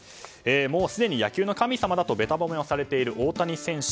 もうすでに野球の神様だとベタ褒めをされている大谷選手。